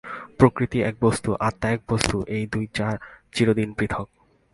প্রকৃতি এক বস্তু, আত্মা এক বস্তু, এই দুই চিরদিন পৃথক্।